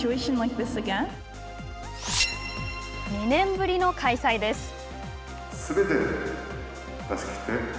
２年ぶりの開催です。